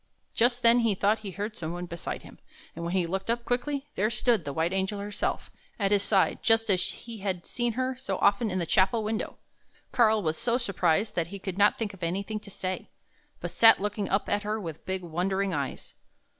Just then he thought he heard some one beside him, and when he looked up quickly, there stood the white Angel herself at his side, just as he had seen her so often in the chapel window! Karl was so surprised that he could not think of anything to say, but sat looking up at her with big, wondering eyes.